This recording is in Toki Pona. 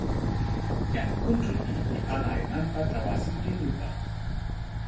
jan Kuntuli li pana e nanpa tawa sinpin lupa.